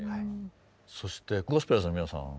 そしてゴスペラーズの皆さん